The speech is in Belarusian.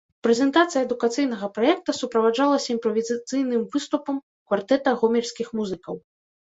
Прэзентацыя адукацыйнага праекта суправаджалася імправізацыйным выступам квартэта гомельскіх музыкаў.